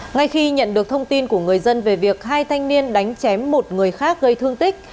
ngay khi nhận được thông tin của người dân về việc hai thanh niên đánh chém một người khác gây thương tích